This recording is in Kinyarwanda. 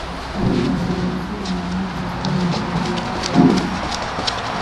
aha twatanga ubusobanuro n’ingero z’amwe mu magambo yavugaga